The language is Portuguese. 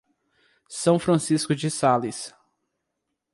São Francisco de Sales